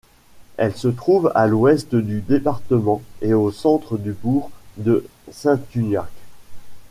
Elle se trouve à l'ouest du département et au centre du bourg de Saint-Uniac.